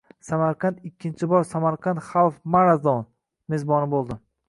Samarqand ikkinchi bor “Samarkand Half Marathon” mezboni bo‘ldi